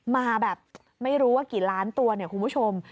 มาแบบไม่รู้ว่ากี่ล้านตัวเนี่ยคุณผู้ชม